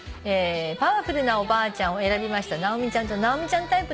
「パワフルなおばあちゃん」を選びました直美ちゃんと直美ちゃんタイプの皆さん。